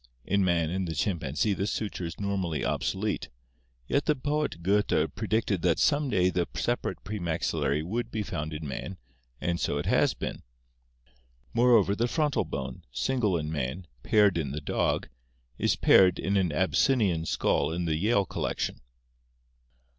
In man and the chimpanzee this suture is nor mally obsolete, yet the poet Goethe predicted that some day the separate premaxillary would be found in man, and so it has been. Moreover, the frontal bone, single in man, paired in the dog, is paired in an Abyssinian skull in the Yale collection.